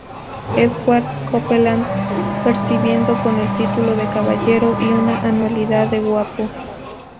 Edward Copeland, percibiendo con el título de caballero y una anualidad de guapo.